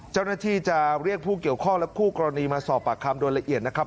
เจ้าหน้าที่จะเรียกผู้เกี่ยวข้องและคู่กรณีมาสอบปากคำโดยละเอียดนะครับ